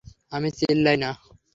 আমি চিল্লাই না!